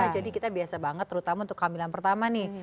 jadi kita biasa banget terutama untuk kehamilan pertama nih